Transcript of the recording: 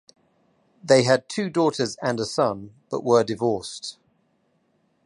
They had two daughters and a son, but were divorced.